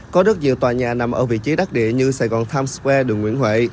có rất nhiều tòa nhà nằm ở vị trí đắc địa như sài gòn times square đường nguyễn huệ